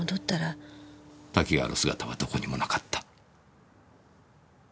多岐川の姿はどこにもなかった。